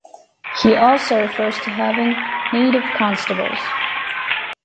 He also refers to having "native constables".